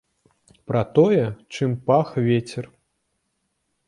Пра тое, чым пах вецер.